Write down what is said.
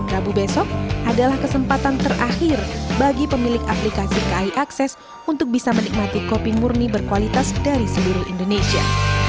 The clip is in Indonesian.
rabu besok adalah kesempatan terakhir bagi pemilik aplikasi kai akses untuk bisa menikmati kopi murni berkualitas dari seluruh indonesia